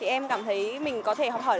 em cảm thấy mình có thể học hỏi